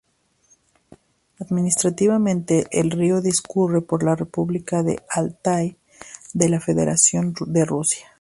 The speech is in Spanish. Administrativamente, el río discurre por la república de Altái de la Federación de Rusia.